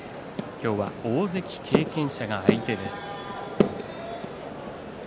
今日は大関経験者が相手です。